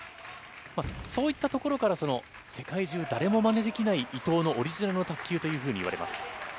そういったところから、世界中、誰もまねできない伊藤のオリジナルの卓球というふうにいわれます。